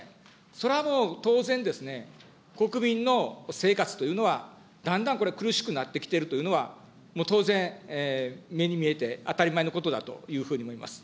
それはもう当然ですね、国民の生活というのは、だんだんこれ、苦しくなってきているというのは、もう当然目に見えて、当たり前のことだというふうに思います。